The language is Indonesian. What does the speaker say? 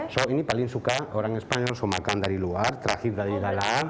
so ini paling suka orang spanyol so makan dari luar terakhir dari dalam